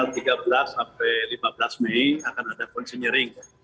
kita nanti tanggal tiga belas sampai lima belas mei akan ada konsinyering